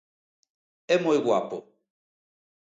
É moi guapo.